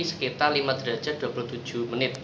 sekitar lima derajat dua puluh tujuh menit